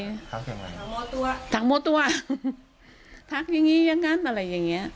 ทักเสียงอะไรทักโมตัวทักโมตัวทักอย่างนี้อย่างนั้นอะไรอย่างเงี้ย